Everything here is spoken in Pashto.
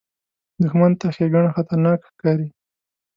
دښمن ته ښېګڼه خطرناکه ښکاري